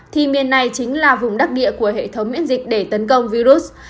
thì miền này chính là vùng đắc địa của hệ thống miễn dịch để tấn công virus